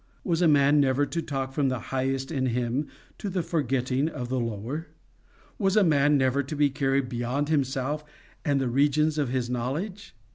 Was a man never to talk from the highest in him to the forgetting of the lower? Was a man never to be carried beyond himself and the regions of his knowledge?